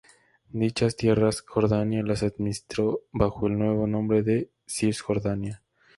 Dichas tierras, Jordania las administró bajo el nuevo nombre de Cisjordania.